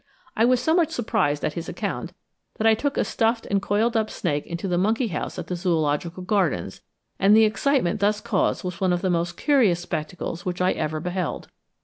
I was so much surprised at his account, that I took a stuffed and coiled up snake into the monkey house at the Zoological Gardens, and the excitement thus caused was one of the most curious spectacles which I ever beheld.